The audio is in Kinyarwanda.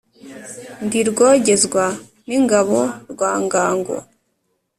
Ndi Rwogezwa n'ingabo rwa Ngango,